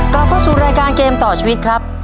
กลับเข้าสู่รายการเกมต่อชีวิตครับ